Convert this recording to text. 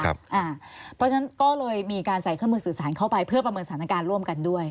เพราะฉะนั้นก็เลยมีการใส่เครื่องมือสื่อสารเข้าไปเพื่อประเมินสถานการณ์ร่วมกันด้วย